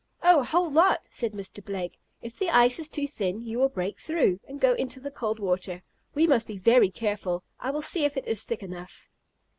"Oh, a whole lot," said Mr. Blake. "If the ice is too thin you will break through, and go into the cold water. We must be very careful, I will see if it is thick enough."